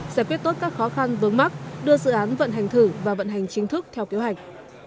giải quyết tốt các khó khăn vướng mắt đưa dự án vận hành thử và vận hành chính thức theo kế hoạch